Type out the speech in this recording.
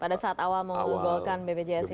pada saat awal mau menggolongkan bpjs ini